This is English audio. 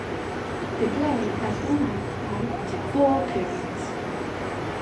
The play has one act divided into four periods.